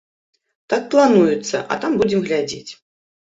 Так плануецца, а там будзем глядзець.